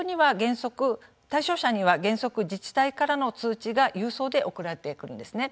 対象者には、原則自治体からの通知が郵送で送られてくるんですね。